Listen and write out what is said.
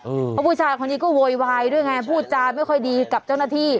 เพราะผู้ชายคนนี้ก็โวยวายด้วยไงพูดจาไม่ค่อยดีกับเจ้าหน้าที่